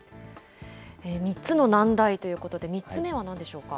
３つの難題ということで、３つ目はなんでしょうか。